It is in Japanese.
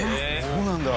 そうなんだ。